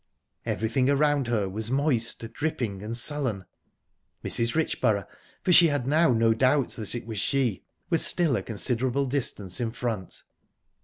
Everything around her was moist, dripping, and sullen...Mrs. Richborough for she had now no doubt that it was she was still a considerable distance in front.